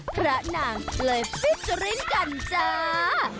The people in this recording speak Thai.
คล้านางเลยฟิเจอริ้นกันจ้า